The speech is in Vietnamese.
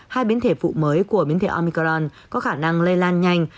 hai biến thể phụ mới của biến thể ormicron có khả năng lây lan nhanh